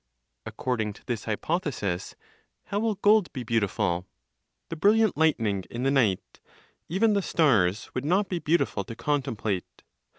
According to this hypothesis, how will gold be beautiful? The brilliant lightning in the night, even the stars, would not be beautiful to contemplate.